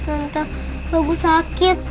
tante aku sakit